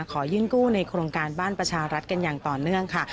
ขอยื่นกู้ในโครงการบ้านประชารัฐกันอย่างต่อเนื่องค่ะ